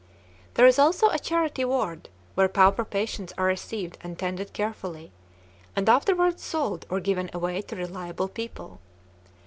There is also a charity ward where pauper patients are received and tended carefully, and afterward sold or given away to reliable people.